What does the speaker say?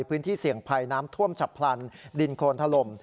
พื้นที่เสี่ยงภัยน้ำท่วมฉับพลันดินโคนถล่ม